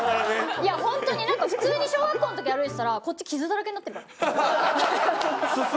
いや本当になんか普通に小学校の時歩いてたらこっち傷だらけになってるからね。